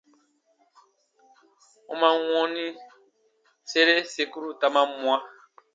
U man wɔnni, sere sekuru ta man mwa.